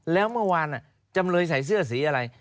แล้วเมื่อวานจำเลยใส่เสื้อสีอะไร